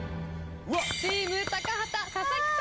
チーム高畑佐々木さん